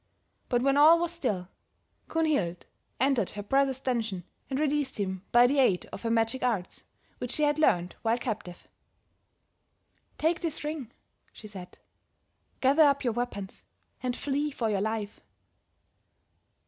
But, when all was still, Kunhild entered her brother's dungeon and released him by the aid of her magic arts, which she had learned while captive. "'Take this ring,' she said, 'gather up your weapons and flee for your life.'